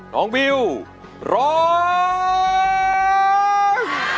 น้องบิวร้อง